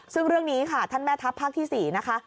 ซึ่งเรื่องนี้ค่ะท่านแม่ทัพภาคที่๔นะคะ